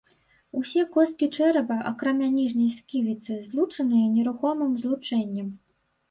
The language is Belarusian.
Усе косткі чэрапа, акрамя ніжняй сківіцы, злучаныя нерухомым злучэннем.